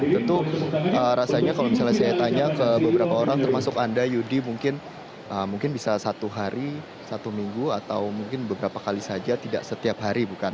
tentu rasanya kalau misalnya saya tanya ke beberapa orang termasuk anda yudi mungkin bisa satu hari satu minggu atau mungkin beberapa kali saja tidak setiap hari bukan